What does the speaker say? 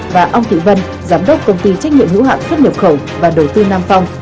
và ông thị vân giám đốc công ty trách nhiệm hữu hạn xuất nhập khẩu và đầu tư nam phong